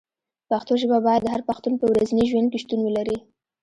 پښتو ژبه باید د هر پښتون په ورځني ژوند کې شتون ولري.